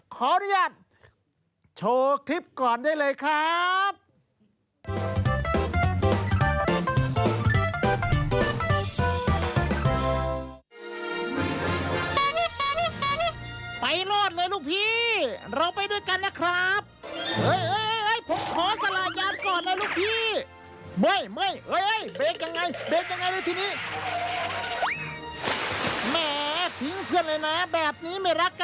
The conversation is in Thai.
ขออนุญาตโชว์คลิปก่อนได้เลยครับ